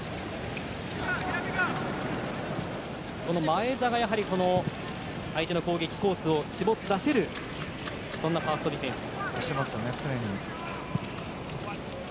前田が相手の攻撃、コースを絞り出せるそんなファーストディフェンス。